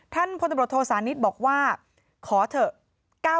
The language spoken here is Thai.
ท่านพลตำรวจโทษศาลนิดบอกว่าขอเถอะ